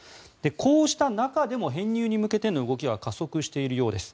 こうした中でも編入に向けての動きは加速しているようです。